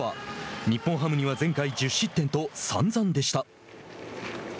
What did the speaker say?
日本ハムには前回、１０失点とさんざんでした。